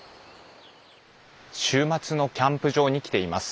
週末のキャンプ場に来ています。